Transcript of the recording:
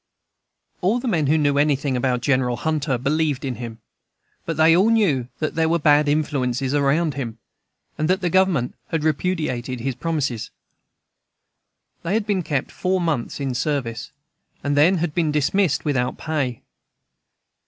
All the men who knew anything about General Hunter believed in him; but they all knew that there were bad influences around him, and that the Government had repudiated his promises. They had been kept four months in service, and then had been dismissed without pay.